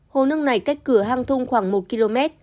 hồ nước này cách cửa hang thung khoảng một km